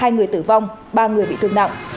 hai người tử vong ba người bị thương nặng